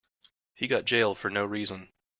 He got jailed for no reason.